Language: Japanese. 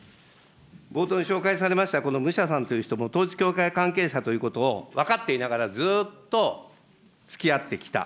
冒頭に紹介されました、この武者さんという人も統一教会関係者ということを分かっていながらずっとつきあってきた。